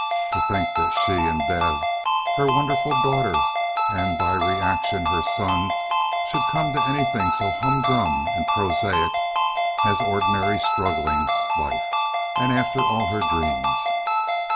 To think that she and "Bevy," her wonderful daughter, and by reaction her son, should come to anything so humdrum and prosaic as ordinary struggling life, and after all her dreams.